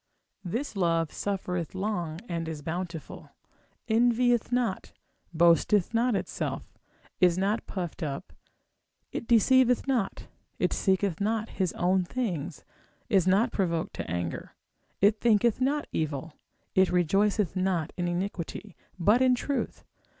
This love suffereth long, it is bountiful, envieth not, boasteth not itself, is not puffed up, it deceiveth not, it seeketh not his own things, is not provoked to anger, it thinketh not evil, it rejoiceth not in iniquity, but in truth.